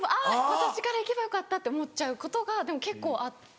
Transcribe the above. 私から行けばよかったって思っちゃうことが結構あって。